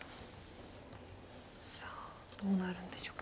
さあどうなるんでしょうか。